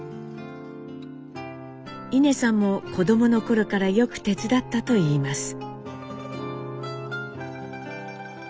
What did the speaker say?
いねさんも子どもの頃からよく手伝ったといいます。